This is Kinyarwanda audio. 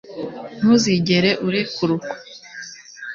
ntuzigere urekurwa